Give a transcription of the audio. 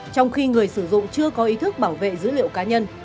trong khi người sử dụng chưa có ý thức bảo vệ dữ liệu cá nhân